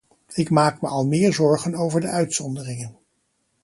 Ik maak me al meer zorgen over de uitzonderingen.